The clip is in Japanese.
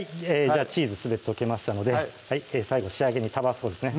じゃあチーズすべて溶けましたので最後仕上げにタバスコですね